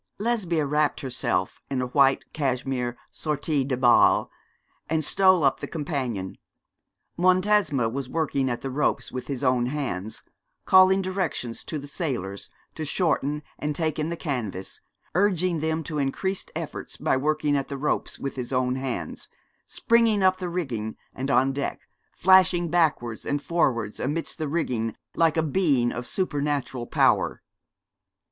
Lesbia wrapped herself in a white cashmere sortie de bal and stole up the companion. Montesma was working at the ropes with his own hands, calling directions to the sailors to shorten and take in the canvas, urging them to increased efforts by working at the ropes with his own hands, springing up the rigging and on deck, flashing backwards and forwards amidst the rigging like a being of supernatural power.